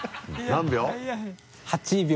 何秒？